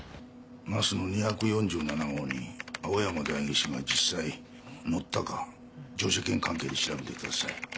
「なすの２４７号」に青山代議士が実際乗ったか乗車券関係を調べてください。